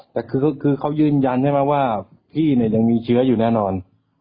แต่คือเขายืนยันใช่ไหมว่าพี่เนี่ยยังมีเชื้ออยู่แน่นอน